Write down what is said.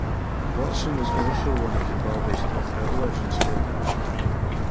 Watson was also one of Zimbabwe's top hurdlers and sprinters.